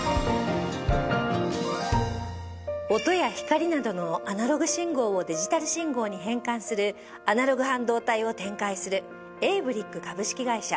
音や光などのアナログ信号をデジタル信号に変換するアナログ半導体を展開するエイブリック株式会社